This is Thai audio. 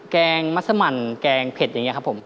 แกงมัสมันแกงเผ็ดอย่างนี้ครับผม